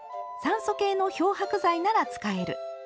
「酸素系の漂白剤なら使える」。